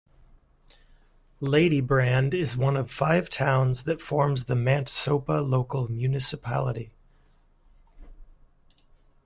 Ladybrand is one of five towns that forms the Mantsopa Local Municipality.